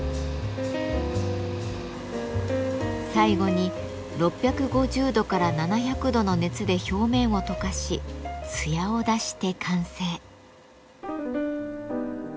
最後に６５０度から７００度の熱で表面を溶かし艶を出して完成。